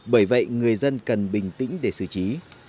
bởi vậy người dân cần bình tĩnh để xử trí